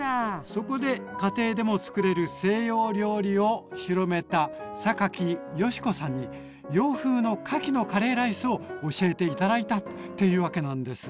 そこで家庭でも作れる西洋料理を広めた榊叔子さんに洋風のかきのカレーライスを教えて頂いたっていうわけなんです。